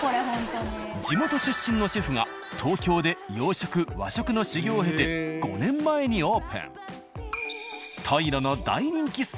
地元出身のシェフが東京で洋食和食の修業を経て５年前にオープン。